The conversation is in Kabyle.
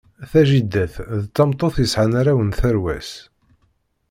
Tajidat d tameṭṭut yesɛan arraw n tarwa-s.